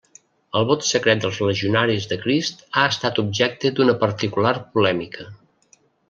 El vot de secret dels Legionaris de Crist ha estat objecte d'una particular polèmica.